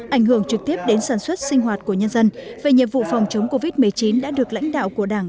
ảnh hưởng trực tiếp đến sản xuất sinh hoạt của nhân dân về nhiệm vụ phòng chống covid một mươi chín đã được lãnh đạo của đảng